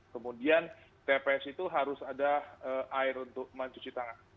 kemudian tps itu harus ada air untuk mencuci tangan